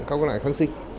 cao cơ lại kháng sinh